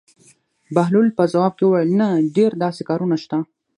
بهلول په ځواب کې وویل: نه ډېر داسې کارونه شته.